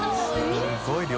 すごい量。